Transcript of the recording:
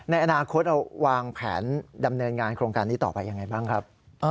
ในอนาคตเราวางแผนดำเนินงานโครงการนี้ต่อไปยังไงบ้างครับ